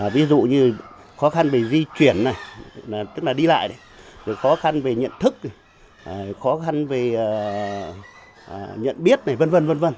ví dụ như khó khăn về di chuyển tức là đi lại khó khăn về nhận thức khó khăn về nhận biết v v